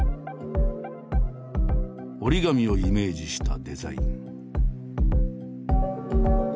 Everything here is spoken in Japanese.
折り紙をイメージしたデザイン。